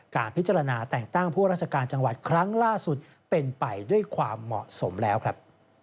การพิจารณาแต่งตั้งผู้ราชการจังหวัดครั้งล่าสุดเป็นไปด้วยความเหมาะสมแล้วครับ